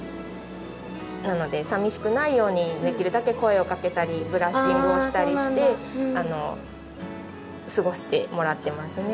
なのでさみしくないようにできるだけ声をかけたりブラッシングをしたりして過ごしてもらってますね。